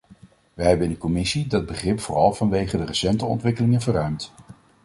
Wij hebben in de commissie dat begrip vooral vanwege de recente ontwikkelingen verruimd.